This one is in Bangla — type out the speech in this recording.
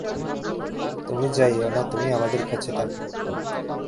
তুমি যাইয়ো না, তুমি আমাদের কাছে থাকো।